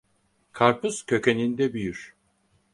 Karpuz kökeninde büyür.